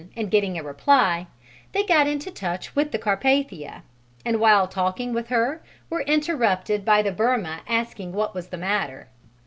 and getting a reply, they got into touch with the Carpathia, and while talking with her were interrupted by the Birma asking what was the matter.